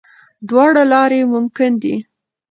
دواړه لارې ممکن دي.